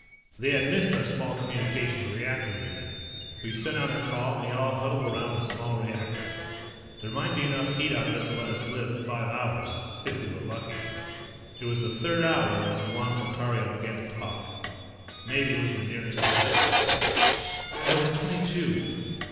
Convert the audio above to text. They had missed our small communications reactor unit. We sent out our call, and we all huddled around the small reactor. There might be enough heat out of it to let us live five hours. If we were lucky. It was the third hour when Yuan Saltario began to talk. Maybe it was the nearness of death. "I was twenty two.